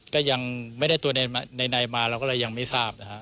ก็ยังไม่ได้ตัวในมาเราก็เลยยังไม่ทราบนะฮะ